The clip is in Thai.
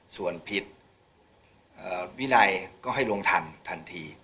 ส่วนผิดวินัยก็ให้ลวงทำทันที